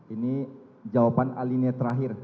ini jawaban alinia terakhir